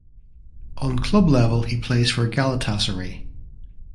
On club level he plays for Galatasaray.